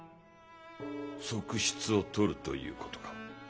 側室をとるということか。